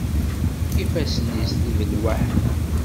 Ifassen-is d ibelwaḥen.